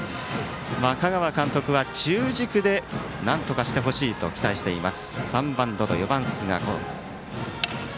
香川監督は中軸で何とかしてほしいと期待しています。